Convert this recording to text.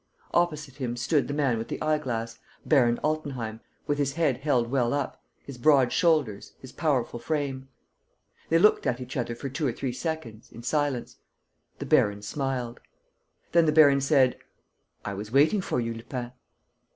Opposite him stood the man with the eye glass, Baron Altenheim, with his head held well up, his broad shoulders, his powerful frame. They looked at each other for two or three seconds, in silence. The baron smiled. Then the baron said: "I was waiting for you, Lupin."